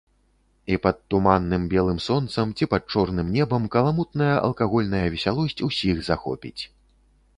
І пад туманным белым сонцам ці пад чорным небам каламутная алкагольная весялосць усіх захопіць.